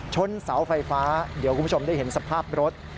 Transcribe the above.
ชนเสาไฟฟ้าเดี๋ยวคุณผู้ชมได้เห็นสภาพรถ